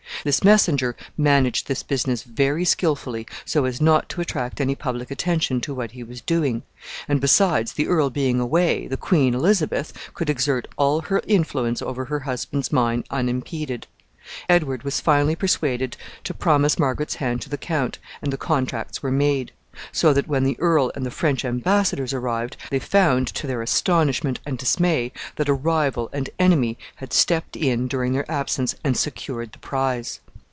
This messenger managed this business very skillfully, so as not to attract any public attention to what he was doing; and besides, the earl being away, the queen, Elizabeth, could exert all her influence over her husband's mind unimpeded. Edward was finally persuaded to promise Margaret's hand to the count, and the contracts were made; so that, when the earl and the French embassadors arrived, they found, to their astonishment and dismay, that a rival and enemy had stepped in during their absence and secured the prize.